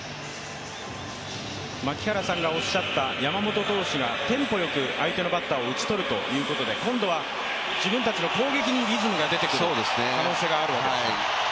槙原さんがおっしゃった山本投手がテンポよく相手のバッターを打ち取るということで、今度は自分たちの攻撃にリズムが出てくる可能性があるわけですよ。